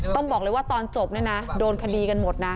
ต้องบอกเลยว่าตอนจบเนี่ยนะโดนคดีกันหมดนะ